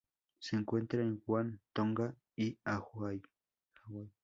Se encuentra en Guam, Tonga y Hawaii.